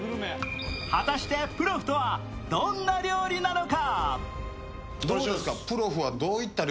果たしてプロフとはどんな料理なのか。